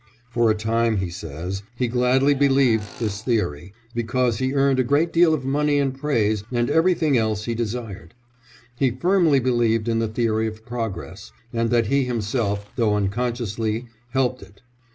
For a time, he says, he gladly believed this theory, because he earned a great deal of money and praise and everything else he desired. He firmly believed in the theory of progress, and that he himself, though unconsciously, helped it.